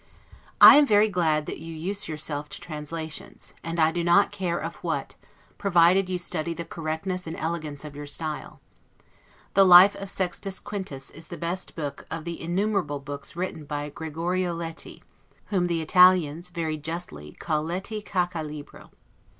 I am very glad that you use yourself to translations; and I do not care of what, provided you study the correctness and elegance of your style. The "Life of Sextus Quintus" is the best book of the innumerable books written by Gregorio Leti, whom the Italians, very justly, call 'Leti caca libro'.